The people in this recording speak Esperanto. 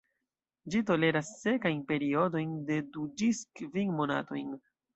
Ĝi toleras sekajn periodojn de du ĝis kvin monatojn.